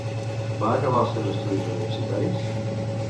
Va acabar els seus estudis universitaris?